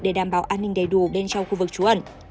để đảm bảo an ninh đầy đủ bên trong khu vực trú ẩn